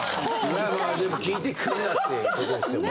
まあまあでも聞いてくんなってことですよね。